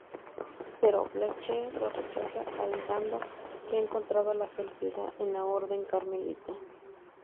Pero Blanche lo rechaza, alegando que ha encontrado la felicidad en la orden carmelita.